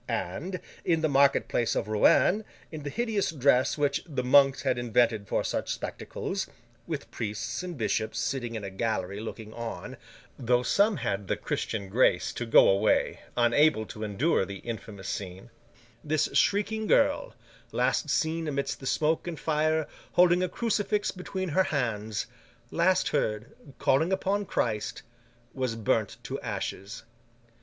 And, in the market place of Rouen, in the hideous dress which the monks had invented for such spectacles; with priests and bishops sitting in a gallery looking on, though some had the Christian grace to go away, unable to endure the infamous scene; this shrieking girl—last seen amidst the smoke and fire, holding a crucifix between her hands; last heard, calling upon Christ—was burnt to ashes.